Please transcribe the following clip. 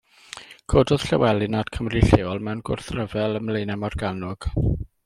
Cododd Llywelyn a'r Cymry lleol mewn gwrthryfel ym Mlaenau Morgannwg.